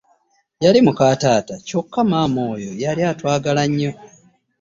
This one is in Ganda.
Yali muka taata, kyokka maama oyo yali atwagala nnyo.